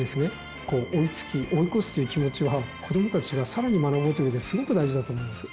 追いつき追い越すという気持ちは子どもたちが更に学ぶといううえですごく大事だと思います。